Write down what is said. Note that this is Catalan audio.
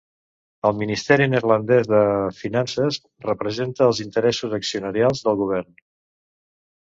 El Ministeri neerlandès de Finances representa els interessos accionarials del Govern.